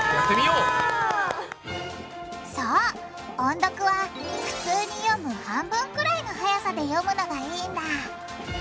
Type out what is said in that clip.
そう音読は普通に読む半分くらいのはやさで読むのがいいんだ。